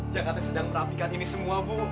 jakarta sedang merapikan ini semua bu